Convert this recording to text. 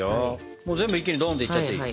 もう全部一気にドンっていっちゃっていい？